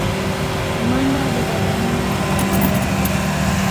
منډه د بدني نظم ښيي